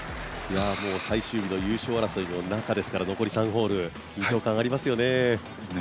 最終日の優勝争いの中ですから、残り３ホール緊張感ありますよね。